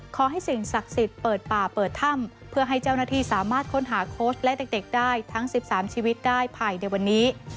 ขอให้สิ่งศักดิ์สิทธิ์เปิดป่าเปิดถ้ำเพื่อให้เจ้าหน้าที่สามารถค้นหาโค้ชและเด็กได้ทั้ง๑๓ชีวิตได้ภายในวันนี้